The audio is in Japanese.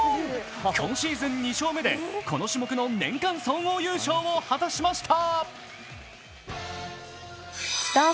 今シーズン２勝目でこの種目の年間総合優勝を果たしました。